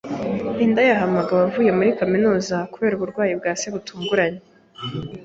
Linda yahamagawe avuye muri kaminuza kubera uburwayi bwa se butunguranye.